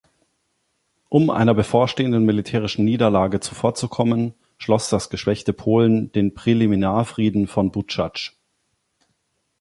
Um einer bevorstehenden militärischen Niederlage zuvorzukommen, schloss das geschwächte Polen den Präliminarfrieden von Buczacz.